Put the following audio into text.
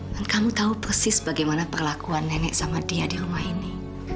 dan kamu tahu persis bagaimana perlakuan nenek sama dia di rumah ini